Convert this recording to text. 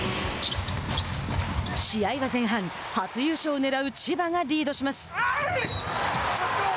試合は前半初優勝をねらう千葉がリードします。